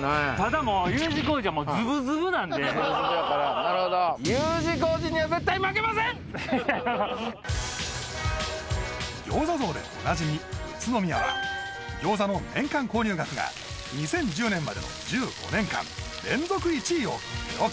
ただもうズブズブやからなるほど餃子像でおなじみ宇都宮は餃子の年間購入額が２０１０年までの１５年間連続１位を記録